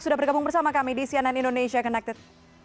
sudah bergabung bersama kami di cnn indonesia connected